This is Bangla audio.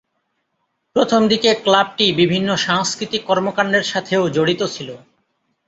প্রথম দিকে ক্লাবটি বিভিন্ন সাংস্কৃতিক কর্মকান্ডের সাথেও জড়িত ছিল।